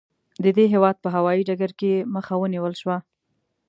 د دې هېواد په هوايي ډګر کې یې مخه ونیول شوه.